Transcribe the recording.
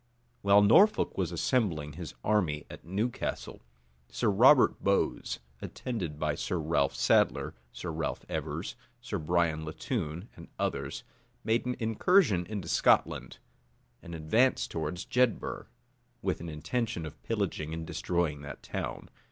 While Norfolk was assembling his army at Newcastle, Sir Robert Bowes, attended by Sir Ralph Sadler, Sir Ralph Evers, Sir Brian Latoun, and others, made an incursion into Scotland, and advanced towards Jedburgh, with an intention of pillaging and destroying that town.